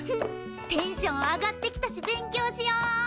テンション上がってきたし勉強しよー！